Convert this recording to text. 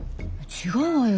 違うわよ